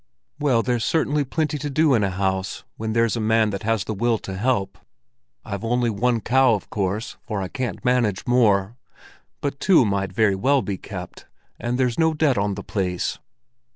"Well, there's certainly plenty to do in a house, when there's a man that has the will to help. I've only one cow, of course, for I can't manage more; but two might very well be kept, and there's no debt on the place."